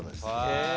へえ。